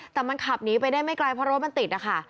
แต่มันขับหนีไปได้ไม่ไกลเพราะรถมันติดนะคะ